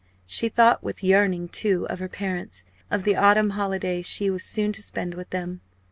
She thought with yearning, too, of her parents; of the autumn holiday she was soon to spend with them.